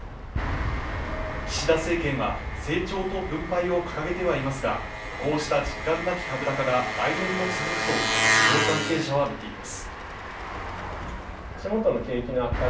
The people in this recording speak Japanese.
岸田政権は、成長と分配を掲げてはいますが、こうした実感なき株高が来年も続くと市場関係者はみています。